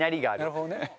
なるほどね。